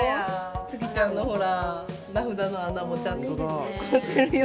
月ちゃんのほら名札の穴もちゃんと残ってるよ